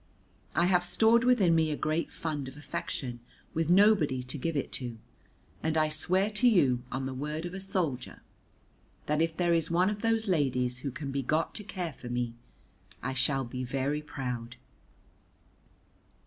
I have stored within me a great fund of affection, with nobody to give it to, and I swear to you, on the word of a soldier, that if there is one of those ladies who can be got to care for me I shall be very proud."